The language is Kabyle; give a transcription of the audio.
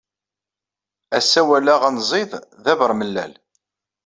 Ass-a walaɣ anẓid d abermellal.